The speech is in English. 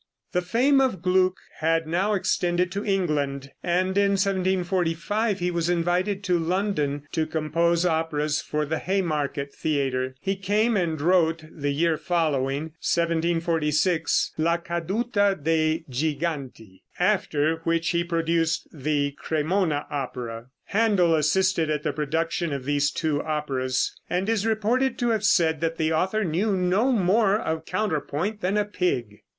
The fame of Gluck had now extended to England, and in 1745 he was invited to London to compose operas for the Haymarket theater. He came and wrote the year following (1746) "La Caduta de Giganti," after which he produced the Cremona opera. Händel assisted at the production of these two operas, and is reported to have said that the author knew no more of counterpoint than a pig.